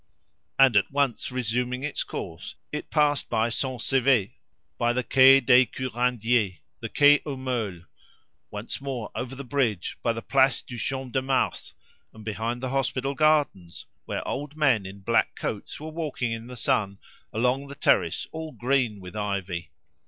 And at once resuming its course, it passed by Saint Sever, by the Quai'des Curandiers, the Quai aux Meules, once more over the bridge, by the Place du Champ de Mars, and behind the hospital gardens, where old men in black coats were walking in the sun along the terrace all green with ivy.